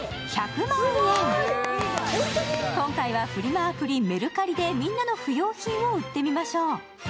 今回はフリマアプリ、メルカリでみんなの不要品を売ってみましょう。